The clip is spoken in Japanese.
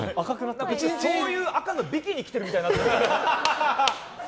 そういう赤のビキニ着てるみたいになってるけど。